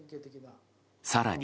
更に。